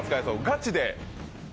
ガチで。